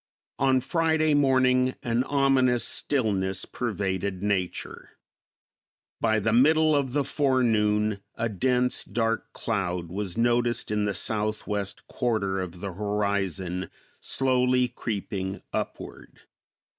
On Friday morning an ominous stillness pervaded nature. By the middle of the forenoon a dense, dark cloud was noticed in the southwest quarter of the horizon, slowly creeping upward.